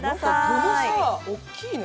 具がさ、大きいね。